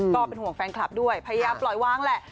ก็เป็นห่วงแฟนคลับด้วยพยายามปล่อยวางแหละ